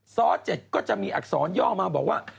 ซ้อ๗ก็จะมีอักษรย่อมาบอกว่า